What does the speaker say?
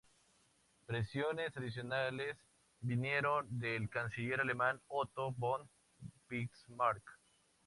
Presiones adicionales vinieron del canciller alemán Otto von Bismarck.